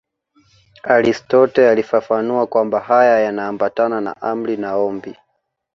Aristotle alifafanua kwamba haya yanaambatana na amri na ombi.